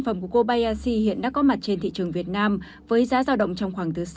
phẩm của kobayashi hiện đã có mặt trên thị trường việt nam với giá giao động trong khoảng từ sáu trăm linh